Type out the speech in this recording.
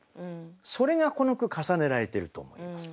それがこの句重ねられてると思います。